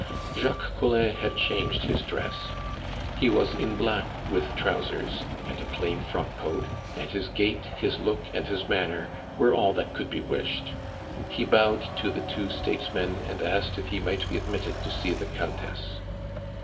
Jacques Collin had changed his dress. He was in black with trousers, and a plain frock coat, and his gait, his look, and his manner were all that could be wished. He bowed to the two statesmen, and asked if he might be admitted to see the Countess.